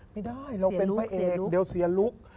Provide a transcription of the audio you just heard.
ไม่ได้เราเป็นพระเอกเดี๋ยวเสียลุค